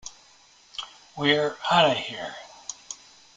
We're Outta Here!